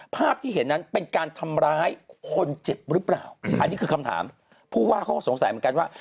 ภาพที่เห็นนั้นเป็นการทำร้ายคนเจ็บหรือเปล่าอันนี้คือคำถามผู้ว่าเขาก็สงสัยเหมือนกันว่า